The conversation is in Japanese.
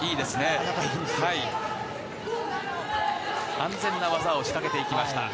安全な技を仕掛けていきました。